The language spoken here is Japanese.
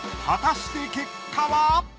果たして結果は？